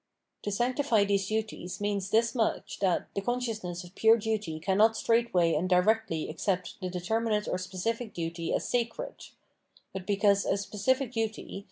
To sanctify these duties means this much, that the consciousness of pure duty cannot straightway and directly accept the determinate or specific duty as sacred ; but because a specific duty.